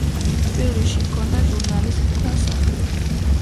თბილისში ჰქონდა ჟურნალისტთა სახლი.